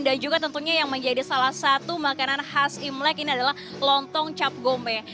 dan juga tentunya yang menjadi salah satu makanan khas imlek ini adalah lontong cap gome